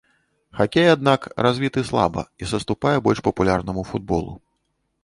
Хакей, аднак, развіты слаба і саступае больш папулярнаму футболу.